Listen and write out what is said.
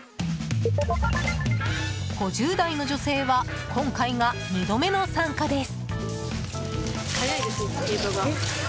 ５０代の女性は今回が２度目の参加です。